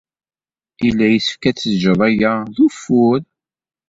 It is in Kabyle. Yella yessefk ad tejjeḍ aya d ufur.